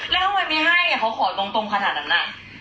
แล้วไม่ให้ก็เขาขอตรงขนาดนั้นอ่ะ